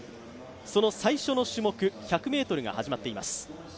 その最初の種目、１００ｍが始まっています。